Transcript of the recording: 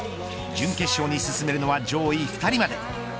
準決勝に進めるのは上位２人まで。